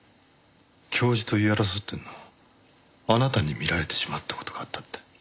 教授と言い争っているのをあなたに見られてしまった事があったって。